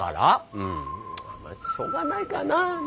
うん。まあしょうがないかな。ね。